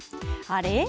あれ？